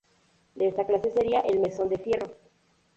De esta clase sería el Mesón de Fierro.